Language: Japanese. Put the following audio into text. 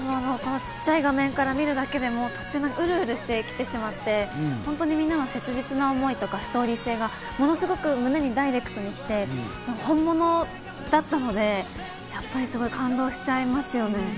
このちっちゃい画面から見るだけでも途中でウルウルしてきてしまって、本当にみんなの切実な思いというかストーリー性が胸にダイレクトに来て、本物だったのでやっぱりすごい感動しちゃいますね。